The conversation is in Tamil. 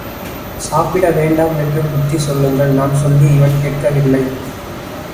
சாப்பிட வேண்டாமென்று புத்தி சொல்லுங்கள், நான் சொல்லி இவன் கேட்கவில்லை.